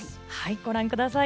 ご覧ください。